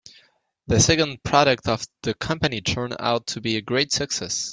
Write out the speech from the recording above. The second product of the company turned out to be a great success.